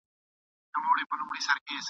د زلمو ویني بهیږي د بوډا په وینو سور دی ..